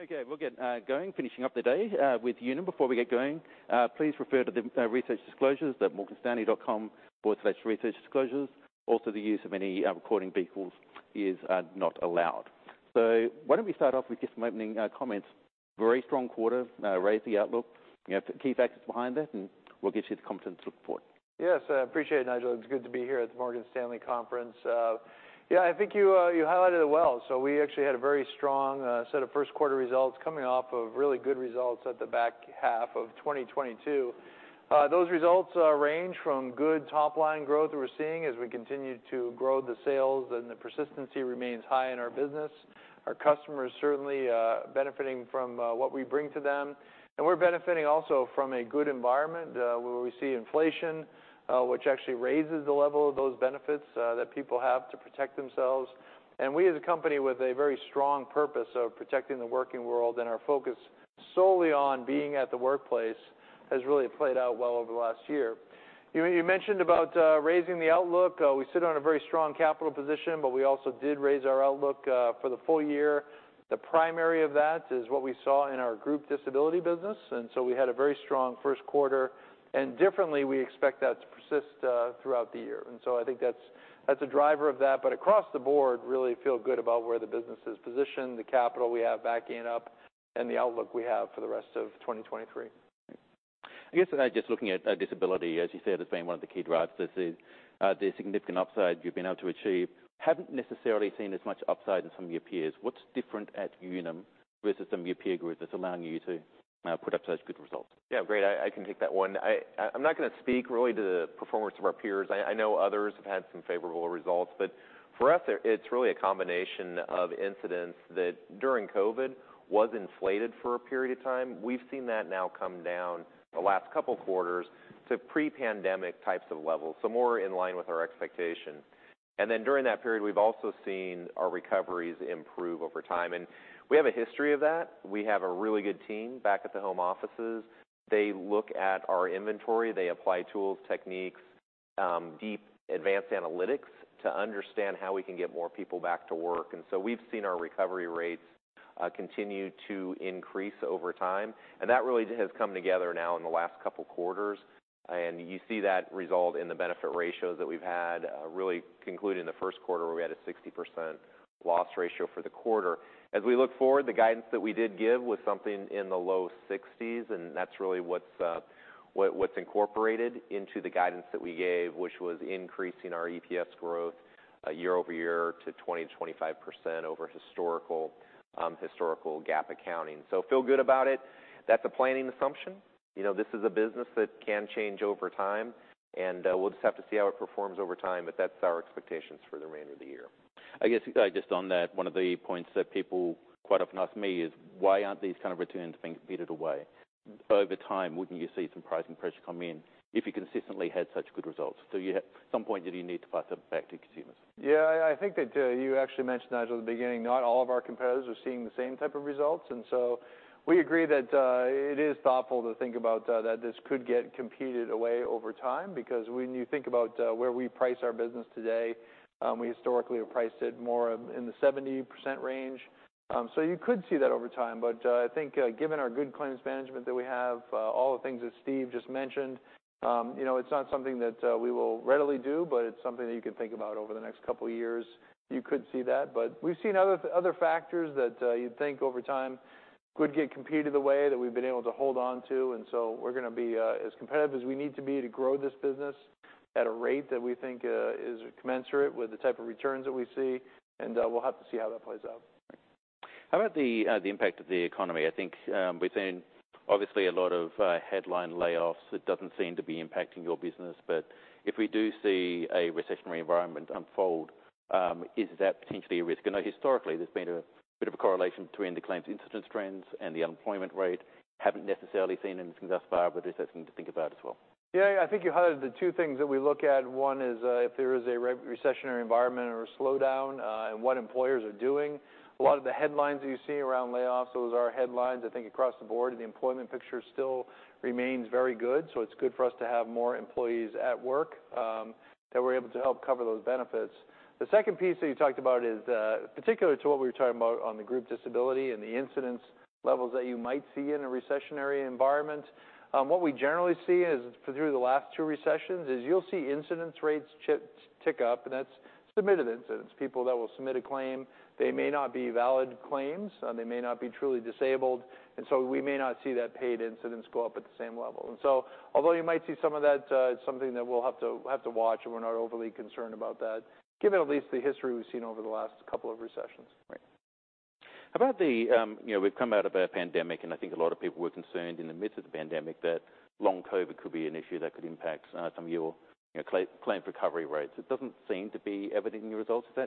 Okay, we'll get going. Finishing up the day with Unum. Before we get going, please refer to the research disclosures at morganstanley.com/researchdisclosures. Also, the use of any recording vehicles is not allowed. Why don't we start off with just some opening comments? Very strong quarter, raised the outlook. You know, the key factors behind it, and we'll get you the confidence to look forward. Yes, I appreciate it, Nigel. It's good to be here at the Morgan Stanley conference. Yeah, I think you highlighted it well. We actually had a very strong set of first quarter results coming off of really good results at the back half of 2022. Those results range from good top-line growth that we're seeing as we continue to grow the sales. The persistency remains high in our business. Our customers certainly benefiting from what we bring to them, and we're benefiting also from a good environment where we see inflation, which actually raises the level of those benefits that people have to protect themselves. We, as a company with a very strong purpose of protecting the working world and our focus solely on being at the workplace, has really played out well over the last year. You mentioned about raising the outlook. We sit on a very strong capital position, but we also did raise our outlook for the full year. The primary of that is what we saw in our Group Disability business, we had a very strong first quarter, and differently, we expect that to persist throughout the year. I think that's a driver of that. Across the board, really feel good about where the business is positioned, the capital we have backing it up, and the outlook we have for the rest of 2023. I guess, just looking at disability, as you said, as being one of the key drivers, this is the significant upside you've been able to achieve. Haven't necessarily seen as much upside in some of your peers. What's different at Unum versus some of your peer groups that's allowing you to put up such good results? Yeah, great. I can take that one. I'm not going to speak really to the performance of our peers. I know others have had some favorable results, but for us, it's really a combination of incidents that, during COVID, was inflated for a period of time. We've seen that now come down the last couple of quarters to pre-pandemic types of levels, so more in line with our expectations. During that period, we've also seen our recoveries improve over time, and we have a history of that. We have a really good team back at the home offices. They look at our inventory, they apply tools, techniques, deep advanced analytics to understand how we can get more people back to work. We've seen our recovery rates continue to increase over time, and that really has come together now in the last couple of quarters. You see that result in the benefit ratios that we've had really concluding the first quarter, where we had a 60% loss ratio for the quarter. As we look forward, the guidance that we did give was something in the low 60s, and that's really what's incorporated into the guidance that we gave, which was increasing our EPS growth year-over-year to 20%-25% over historical historical GAAP accounting. Feel good about it. That's a planning assumption. You know, this is a business that can change over time, and we'll just have to see how it performs over time, but that's our expectations for the remainder of the year. I guess, just on that, one of the points that people quite often ask me is, why aren't these kind of returns being competed away? Over time, wouldn't you see some pricing pressure come in if you consistently had such good results? At some point, do you need to pass them back to consumers? Yeah, I think that, you actually mentioned, Nigel, at the beginning, not all of our competitors are seeing the same type of results. We agree that it is thoughtful to think about that this could get competed away over time. When you think about where we price our business today, we historically have priced it more in the 70% range. You could see that over time. I think given our good claims management that we have, all the things that Steve just mentioned, you know, it's not something that we will readily do, but it's something that you can think about over the next couple of years. You could see that, but we've seen other factors that you'd think over time would get competed away that we've been able to hold on to. We're going to be as competitive as we need to be to grow this business at a rate that we think is commensurate with the type of returns that we see, and we'll have to see how that plays out. How about the impact of the economy? I think we've seen obviously a lot of headline layoffs. It doesn't seem to be impacting your business, but if we do see a recessionary environment unfold, is that potentially a risk? I know historically there's been a bit of a correlation between the claims incidence trends and the unemployment rate. Haven't necessarily seen anything thus far, but is that something to think about as well? Yeah, I think you highlighted the two things that we look at. One is, if there is a recessionary environment or a slowdown, and what employers are doing. A lot of the headlines that you're seeing around layoffs, those are headlines. I think across the board, the employment picture still remains very good, so it's good for us to have more employees at work, that we're able to help cover those benefits. The second piece that you talked about is particular to what we were talking about on the Group Disability and the incidence levels that you might see in a recessionary environment. What we generally see is, through the last two recessions, is you'll see incidence rates tick up, and that's submitted incidents. People that will submit a claim, they may not be valid claims, they may not be truly disabled. We may not see that paid incidents go up at the same level. Although you might see some of that, it's something that we'll have to watch, and we're not overly concerned about that, given at least the history we've seen over the last couple of recessions. How about the, you know, we've come out of a pandemic. I think a lot of people were concerned in the midst of the pandemic that long COVID could be an issue that could impact some of your claims recovery rates. It doesn't seem to be evident in your results. Is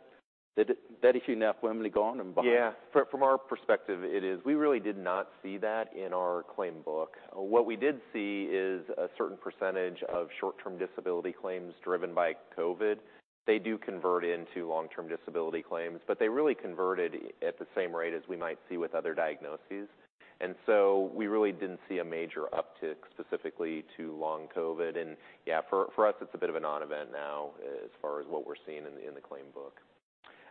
that issue now firmly gone and behind? Yeah, from our perspective, it is. We really did not see that in our claim book. What we did see is a certain percentage of short-term disability claims driven by COVID. They do convert into long-term disability claims, but they really converted at the same rate as we might see with other diagnoses. We really didn't see a major uptick specifically to Long COVID. Yeah, for us, it's a bit of a non-event now, as far as what we're seeing in the claim book.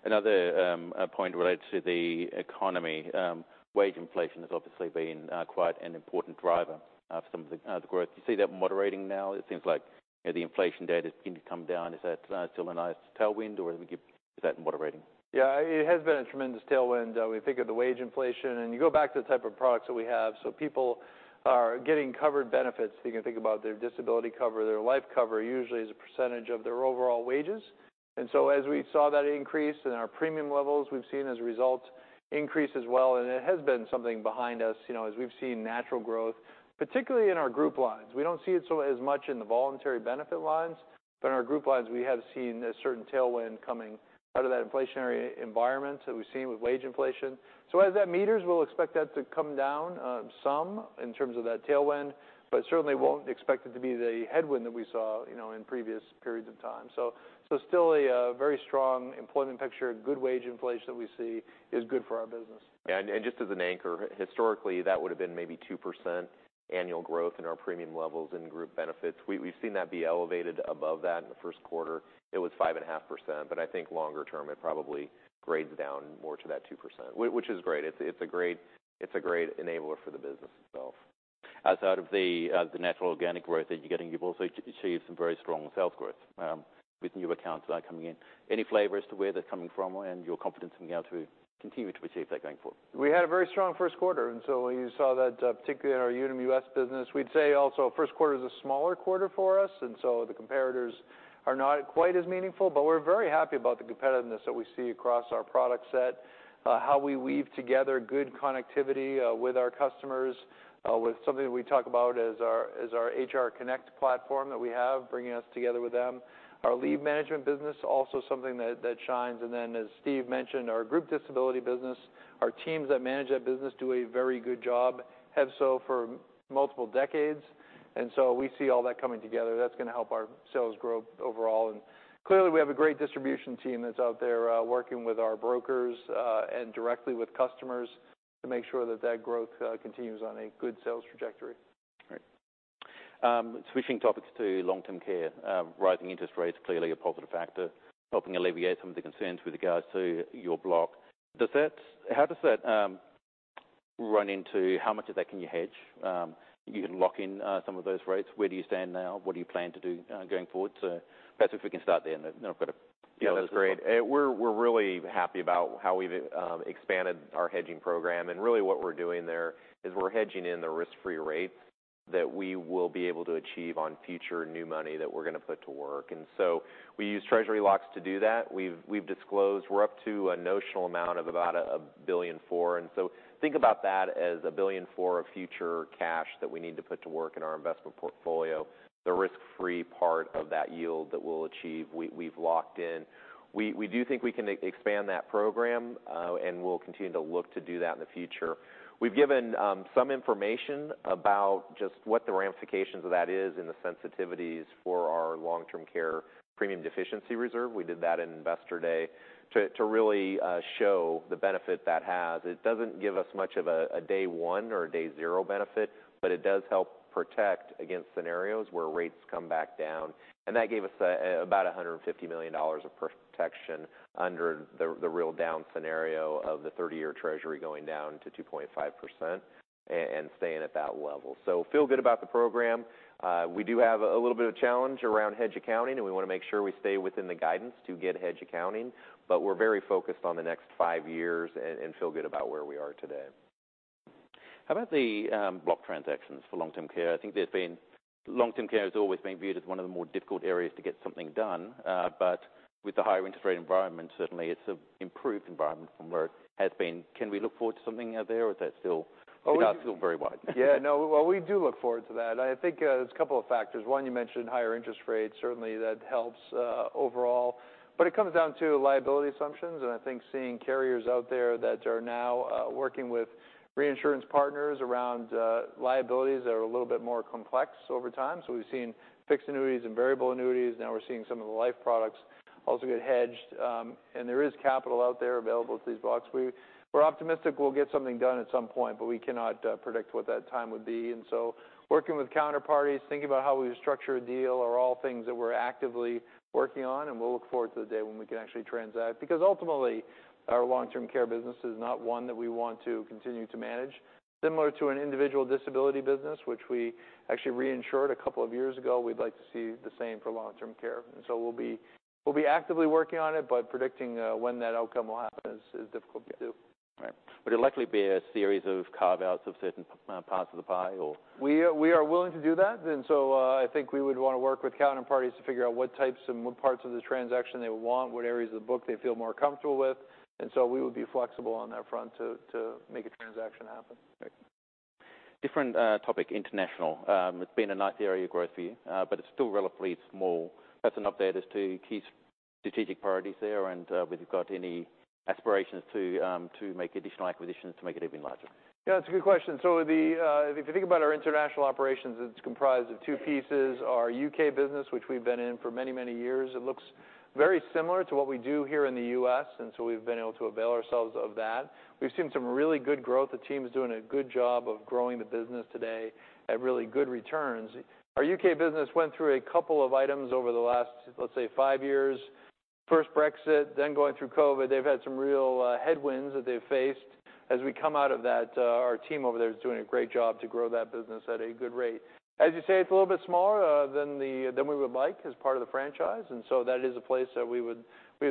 Another point related to the economy. Wage inflation has obviously been quite an important driver of some of the growth. Do you see that moderating now? It seems like, you know, the inflation data is beginning to come down. Is that still a nice tailwind, or is that moderating? Yeah, it has been a tremendous tailwind. We think of the wage inflation, and you go back to the type of products that we have. People are getting covered benefits. You can think about their disability cover, their life cover, usually as a percentage of their overall wages. As we saw that increase in our premium levels, we've seen as a result, increase as well, and it has been something behind us, you know, as we've seen natural growth, particularly in our group lines. We don't see it so as much in the voluntary benefit lines, but in our group lines, we have seen a certain tailwind coming out of that inflationary environment that we've seen with wage inflation. As that meters, we'll expect that to come down, some in terms of that tailwind, but certainly won't expect it to be the headwind that we saw, you know, in previous periods of time. Still a very strong employment picture. Good wage inflation that we see is good for our business. Just as an anchor, historically, that would have been maybe 2% annual growth in our premium levels in group benefits. We've seen that be elevated above that. In the first quarter, it was 5.5%, but I think longer term, it probably grades down more to that 2%, which is great. It's a great enabler for the business itself. As out of the natural organic growth that you're getting, you've also achieved some very strong sales growth with new accounts coming in. Any flavor as to where they're coming from and your confidence in being able to continue to receive that going forward? We had a very strong first quarter. You saw that particularly in our Unum U.S. business. We'd say also, first quarter is a smaller quarter for us. The comparators are not quite as meaningful, but we're very happy about the competitiveness that we see across our product set. How we weave together good connectivity with our customers, with something we talk about as our HR Connect platform that we have, bringing us together with them. Our leave management business, also something that shines. As Steve mentioned, our Group Disability business, our teams that manage that business do a very good job, have so for multiple decades. We see all that coming together. That's gonna help our sales growth overall. Clearly, we have a great distribution team that's out there, working with our brokers, and directly with customers to make sure that that growth continues on a good sales trajectory. Great. Switching topics to long-term care. Rising interest rates, clearly a positive factor, helping alleviate some of the concerns with regards to your block. How does that run into how much of that can you hedge? You can lock in some of those rates. Where do you stand now? What do you plan to do going forward? Perhaps if we can start there, and then I've got a-. Yeah, that's great. We're really happy about how we've expanded our hedging program. Really, what we're doing there is we're hedging in the risk-free rate that we will be able to achieve on future new money that we're gonna put to work. We use treasury locks to do that. We've disclosed we're up to a notional amount of about $1.4 billion. Think about that as $1.4 billion of future cash that we need to put to work in our investment portfolio. The risk-free part of that yield that we'll achieve, we've locked in. We do think we can expand that program, and we'll continue to look to do that in the future. We've given some information about just what the ramifications of that is and the sensitivities for our long-term care premium deficiency reserve. We did that in Investor Day to really show the benefit that has. It doesn't give us much of a day one or a day zero benefit, but it does help protect against scenarios where rates come back down, and that gave us about $150 million of protection under the real down scenario of the 30-year Treasury going down to 2.5% and staying at that level. Feel good about the program. We do have a little bit of challenge around hedge accounting, and we want to make sure we stay within the guidance to get hedge accounting, but we're very focused on the next five years and feel good about where we are today. How about the block transactions for long-term care? Long-term care has always been viewed as one of the more difficult areas to get something done. With the higher interest rate environment, certainly it's an improved environment from where it has been. Can we look forward to something out there, or is that still very wide? Yeah, no, well, we do look forward to that. I think there's a couple of factors. One, you mentioned higher interest rates. Certainly, that helps overall, but it comes down to liability assumptions. I think seeing carriers out there that are now working with reinsurance partners around liabilities that are a little bit more complex over time. We've seen fixed annuities and variable annuities, now we're seeing some of the life products also get hedged. There is capital out there available to these blocks. We're optimistic we'll get something done at some point, but we cannot predict what that time would be. Working with counterparties, thinking about how we structure a deal, are all things that we're actively working on, and we'll look forward to the day when we can actually transact. Ultimately, our long-term care business is not one that we want to continue to manage. Similar to an individual disability business, which we actually reinsured a couple of years ago, we'd like to see the same for long-term care. We'll be actively working on it, but predicting when that outcome will happen is difficult to do. Right. Would it likely be a series of carve-outs of certain parts of the pie, or? We are willing to do that. I think we would want to work with counterparties to figure out what types and what parts of the transaction they want, what areas of the book they feel more comfortable with, and so we would be flexible on that front to make a transaction happen. Great. Different, topic, international. It's been a nice area of growth for you, but it's still relatively small. That's an update as to strategic priorities there, and whether you've got any aspirations to make additional acquisitions to make it even larger? Yeah, that's a good question. If you think about our international operations, it's comprised of two pieces: our U.K. business, which we've been in for many, many years. It looks very similar to what we do here in the U.S. We've been able to avail ourselves of that. We've seen some really good growth. The team is doing a good job of growing the business today at really good returns. Our U.K. business went through a couple of items over the last, let's say, five years. First, Brexit, then going through COVID. They've had some real headwinds that they've faced. As we come out of that, our team over there is doing a great job to grow that business at a good rate. As you say, it's a little bit smaller, than we would like as part of the franchise. That is a place that we would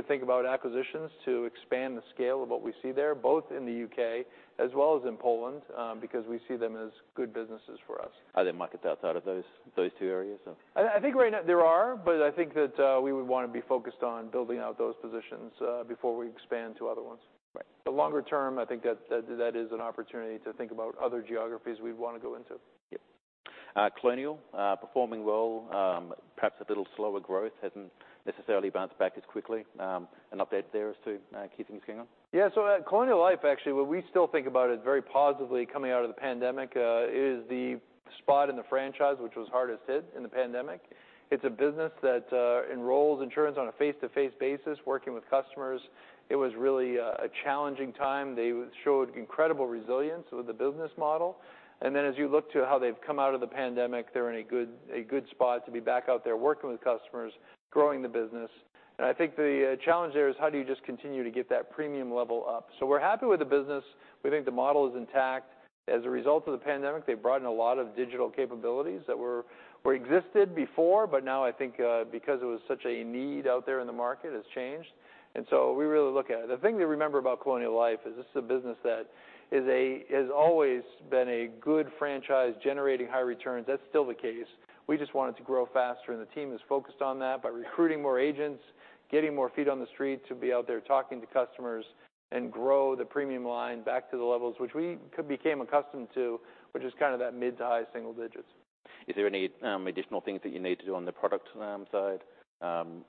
think about acquisitions to expand the scale of what we see there, both in the U.K. as well as in Poland, because we see them as good businesses for us. Are there markets outside of those two areas of? I think right now there are, but I think that, we would want to be focused on building out those positions, before we expand to other ones. Right. Longer term, I think that is an opportunity to think about other geographies we'd want to go into. Yep. Colonial performing well, perhaps a little slower growth, hasn't necessarily bounced back as quickly. An update there as to key things going on. At Colonial Life, actually, what we still think about it very positively coming out of the pandemic, it is the spot in the franchise, which was hardest hit in the pandemic. It's a business that enrolls insurance on a face-to-face basis, working with customers. It was really a challenging time. They showed incredible resilience with the business model, as you look to how they've come out of the pandemic, they're in a good spot to be back out there working with customers, growing the business. I think the challenge there is: How do you just continue to get that premium level up? We're happy with the business. We think the model is intact. As a result of the pandemic, they've brought in a lot of digital capabilities that existed before. Now I think, because it was such a need out there in the market, it's changed. We really look at it. The thing to remember about Colonial Life is this is a has always been a good franchise, generating high returns. That's still the case. We just want it to grow faster. The team is focused on that by recruiting more agents, getting more feet on the street to be out there talking to customers and grow the premium line back to the levels which we became accustomed to, which is kind of that mid-to-high single digits. Is there any additional things that you need to do on the product side,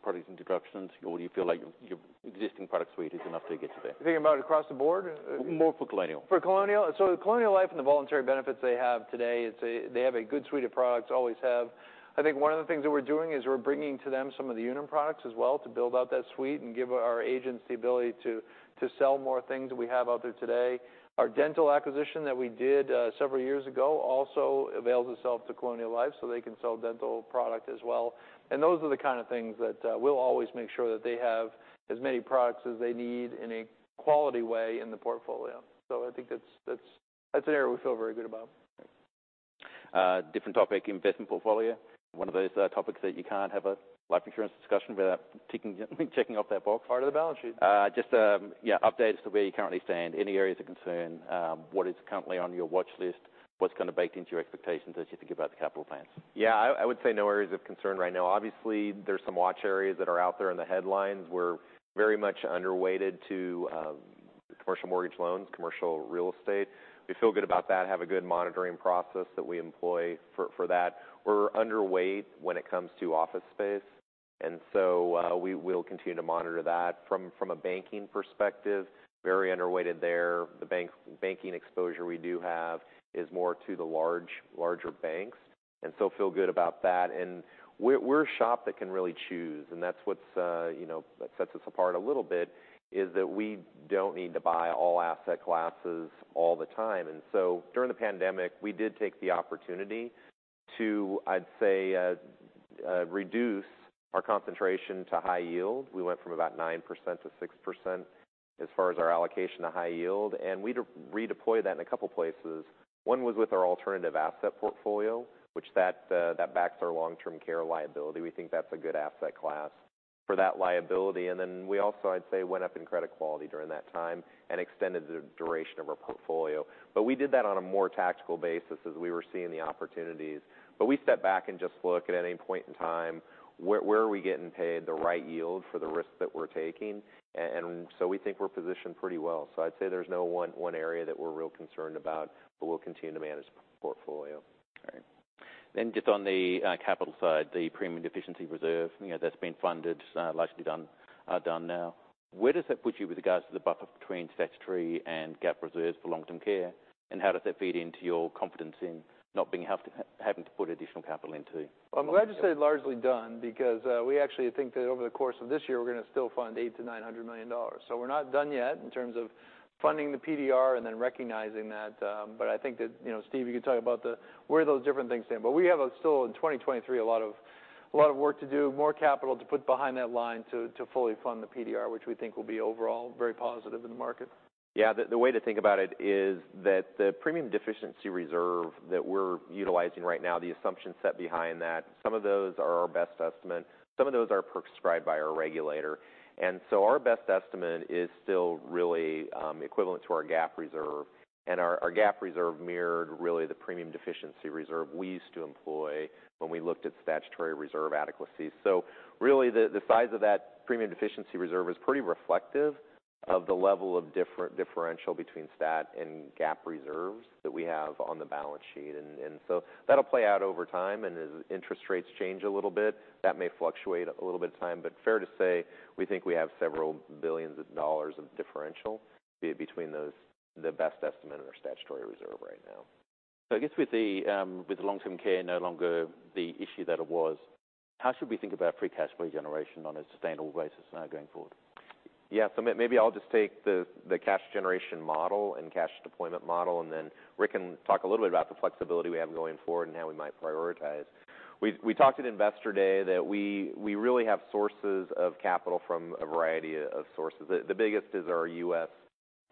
product introductions, or you feel like your existing product suite is enough to get to there? You're thinking about it across the board? More for Colonial. For Colonial. Colonial Life and the voluntary benefits they have today, they have a good suite of products, always have. I think one of the things that we're doing is we're bringing to them some of the Unum products as well to build out that suite and give our agents the ability to sell more things that we have out there today. Our dental acquisition that we did several years ago, also avails itself to Colonial Life, so they can sell dental product as well. Those are the kind of things that we'll always make sure that they have as many products as they need in a quality way in the portfolio. I think that's an area we feel very good about. Different topic, investment portfolio. One of those topics that you can't have a life insurance discussion without ticking, checking off that box. Part of the balance sheet. Just, yeah, updates to where you currently stand? Any areas of concern? What is currently on your watchlist? What's kind of baked into your expectations as you think about the capital plans? Yeah, I would say no areas of concern right now. Obviously, there's some watch areas that are out there in the headlines. We're very much underweighted to commercial mortgage loans, commercial real estate. We feel good about that, have a good monitoring process that we employ for that. We're underweight when it comes to office space. We will continue to monitor that. From a banking perspective, very underweighted there. The banking exposure we do have is more to the larger banks. Feel good about that. We're a shop that can really choose, and that's what's, you know, that sets us apart a little bit, is that we don't need to buy all asset classes all the time. During the pandemic, we did take the opportunity to, I'd say, reduce our concentration to high yield. We went from about 9% to 6% as far as our allocation to high yield, and we redeployed that in a couple places. One was with our alternative asset portfolio, which that backs our long-term care liability. We think that's a good asset class for that liability, and then we also, I'd say, went up in credit quality during that time and extended the duration of our portfolio. We did that on a more tactical basis as we were seeing the opportunities. We step back and just look at any point in time, where are we getting paid the right yield for the risk that we're taking? We think we're positioned pretty well. I'd say there's no one area that we're real concerned about, but we'll continue to manage the portfolio. All right. Just on the capital side, the premium deficiency reserve, you know, that's been funded, largely done now. Where does that put you with regards to the buffer between STAT and GAAP reserves for long-term care, and how does that feed into your confidence in not having to put additional capital into? Well, I'm glad you said, "Largely done," because we actually think that over the course of this year, we're going to still fund $800 million-$900 million. We're not done yet in terms of funding the PDR and then recognizing that. I think that, you know, Steve, you can talk about where those different things stand. We have a still, in 2023, a lot of work to do, more capital to put behind that line to fully fund the PDR, which we think will be overall very positive in the market. The way to think about it is that the premium deficiency reserve that we're utilizing right now, the assumption set behind that, some of those are our best estimate, some of those are prescribed by our regulator. Our best estimate is still really equivalent to our GAAP reserve, and our GAAP reserve mirrored really the premium deficiency reserve we used to employ when we looked at statutory reserve adequacy. Really, the size of that premium deficiency reserve is pretty reflective of the level of differential between STAT and GAAP reserves that we have on the balance sheet. That'll play out over time, and as interest rates change a little bit, that may fluctuate a little bit of time. Fair to say, we think we have several billions of dollars of differential between those, the best estimate and our statutory reserve right now. I guess with the long-term care no longer the issue that it was, how should we think about free cash flow generation on a sustainable basis now going forward? Maybe I'll just take the cash generation model and cash deployment model, and then Rick can talk a little bit about the flexibility we have going forward and how we might prioritize. We talked at Investor Day that we really have sources of capital from a variety of sources. The biggest is our U.S.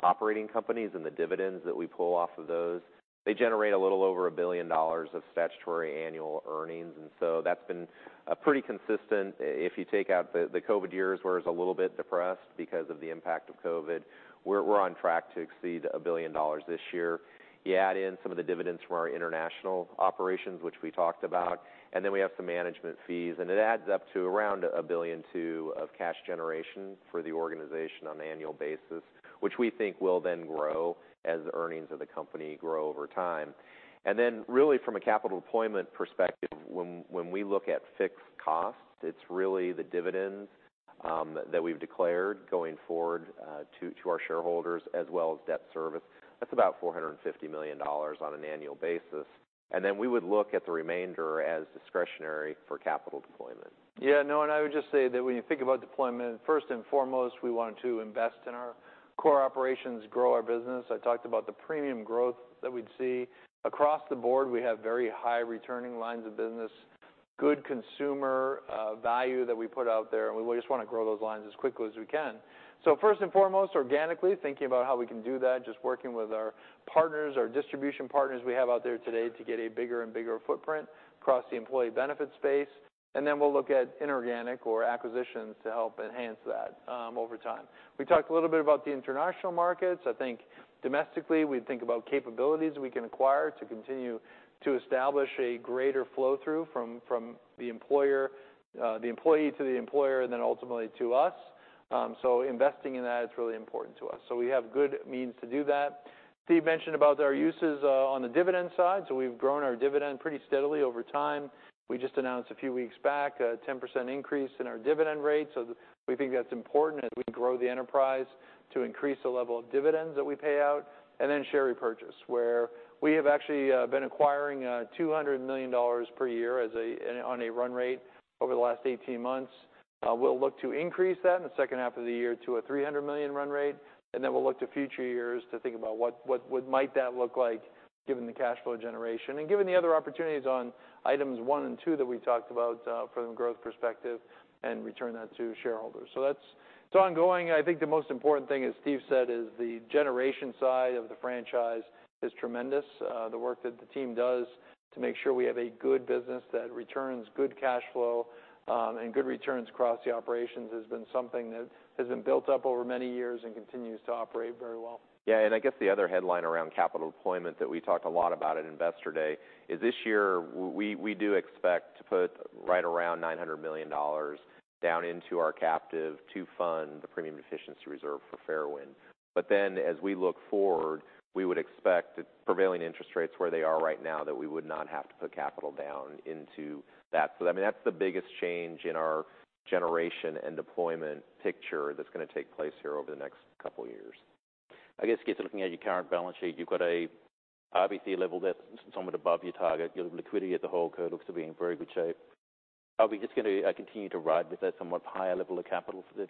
operating companies and the dividends that we pull off of those. They generate a little over $1 billion of statutory annual earnings, that's been pretty consistent. If you take out the COVID years, where it was a little bit depressed because of the impact of COVID, we're on track to exceed $1 billion this year. You add in some of the dividends from our international operations, which we talked about, and then we have some management fees, and it adds up to around $1 billion of cash generation for the organization on an annual basis, which we think will then grow as the earnings of the company grow over time. Really, from a capital deployment perspective, when we look at fixed costs, it's really the dividends that we've declared going forward to our shareholders, as well as debt service. That's about $450 million on an annual basis. We would look at the remainder as discretionary for capital deployment. No, I would just say that when you think about deployment, first and foremost, we want to invest in our core operations, grow our business. I talked about the premium growth that we'd see. Across the board, we have very high returning lines of business, good consumer, value that we put out there, and we just wanna grow those lines as quickly as we can. First and foremost, organically, thinking about how we can do that, just working with our partners, our distribution partners we have out there today to get a bigger and bigger footprint across the employee benefit space. Then we'll look at inorganic or acquisitions to help enhance that, over time. We talked a little bit about the international markets. I think domestically, we think about capabilities we can acquire to continue to establish a greater flow-through from the employer, the employee to the employer and then ultimately to us. Investing in that is really important to us. We have good means to do that. Steve mentioned about our uses, on the dividend side. We've grown our dividend pretty steadily over time. We just announced a few weeks back a 10% increase in our dividend rate. We think that's important as we grow the enterprise to increase the level of dividends that we pay out. Share repurchase, where we have actually, been acquiring, $200 million per year as a on a run rate over the last 18 months. We'll look to increase that in the second half of the year to a $300 million run rate, and then we'll look to future years to think about what, what might that look like given the cash flow generation and given the other opportunities on items one and two that we talked about from a growth perspective and return that to shareholders. That's, it's ongoing. I think the most important thing, as Steve said, is the generation side of the franchise is tremendous. The work that the team does to make sure we have a good business that returns good cash flow, and good returns across the operations has been something that has been built up over many years and continues to operate very well. Yeah, I guess the other headline around capital deployment that we talked a lot about at Investor Day is this year we do expect to put right around $900 million down into our captive to fund the premium deficiency reserve for Fairwind. As we look forward, we would expect that prevailing interest rates, where they are right now, that we would not have to put capital down into that. I mean, that's the biggest change in our generation and deployment picture that's going to take place here over the next couple of years. I guess, get to looking at your current balance sheet. You've got a RBC level that's somewhat above your target. Your liquidity at the holdco looks to be in very good shape. Are we just gonna continue to ride with that somewhat higher level of capital for the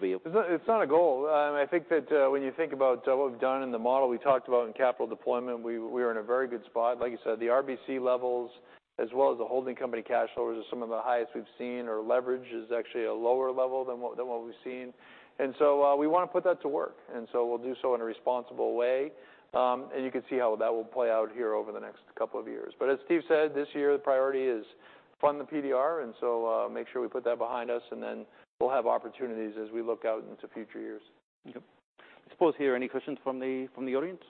vehicle? It's not a goal. I think that when you think about what we've done in the model, we talked about in capital deployment, we are in a very good spot. Like you said, the RBC levels, as well as the holding company cash flows, are some of the highest we've seen. Our leverage is actually a lower level than what we've seen. We want to put that to work, and so we'll do so in a responsible way. You can see how that will play out here over the next couple of years. As Steve said, this year, the priority is fund the PDR, and so, make sure we put that behind us, and then we'll have opportunities as we look out into future years. Yep. I suppose here, any questions from the audience?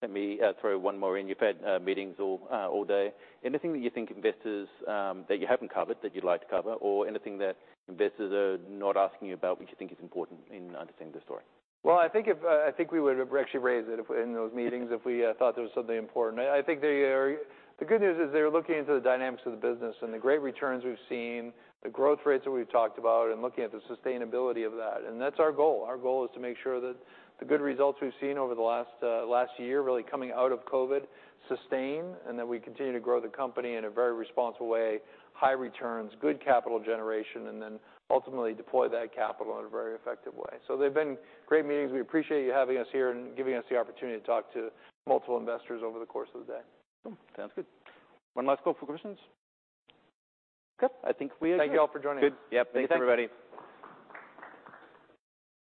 Let me throw one more in. You've had meetings all day. Anything that you think investors that you haven't covered, that you'd like to cover, or anything that investors are not asking you about, which you think is important in understanding the story? Well, I think if we would have actually raised it if we're in those meetings, if we thought there was something important. The good news is they're looking into the dynamics of the business and the great returns we've seen, the growth rates that we've talked about, and looking at the sustainability of that, and that's our goal. Our goal is to make sure that the good results we've seen over the last last year, really coming out of COVID, sustain, and that we continue to grow the company in a very responsible way, high returns, good capital generation, and then ultimately deploy that capital in a very effective way. They've been great meetings. We appreciate you having us here and giving us the opportunity to talk to multiple investors over the course of the day. Cool. Sounds good. One last call for questions. Good. I think we're done. Thank you all for joining. Thank you, everybody.